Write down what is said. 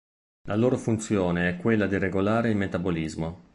La loro funzione è quella di regolare il metabolismo.